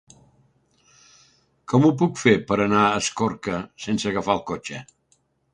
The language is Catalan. Com ho puc fer per anar a Escorca sense agafar el cotxe?